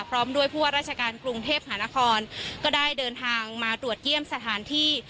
พร้อมด้วยผู้ว่าราชการกรุงเทพหานครก็ได้เดินทางมาตรวจเยี่ยมสถานที่